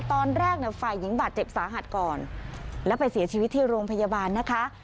ตอนแรกเนี่ยฝ่ายหญิงบาดเจ็บสาหัสก่อนแล้วไปเสียชีวิตที่โรงพยาบาลนะคะ